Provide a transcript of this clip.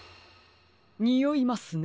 においますね。